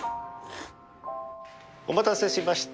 お待たせしました。